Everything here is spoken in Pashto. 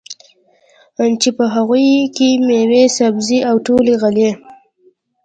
چې په هغو کې مېوې، سبزۍ او ټولې غلې